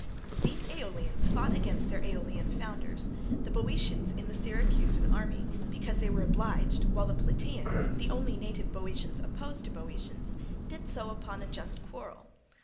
These Aeolians fought against their Aeolian founders, the Boeotians in the Syracusan army, because they were obliged, while the Plataeans, the only native Boeotians opposed to Boeotians, did so upon a just quarrel.